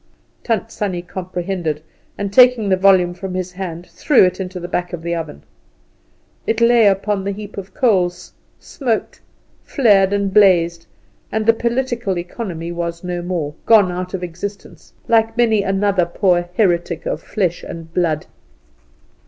Tant Sannie comprehended, and, taking the volume from his hand, threw it into the back of the oven. It lay upon the heap of coals, smoked, flared, and blazed, and the "Political Economy" was no more gone out of existence, like many another poor heretic of flesh and blood.